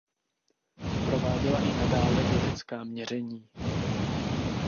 Prováděla i nadále vědecká měření.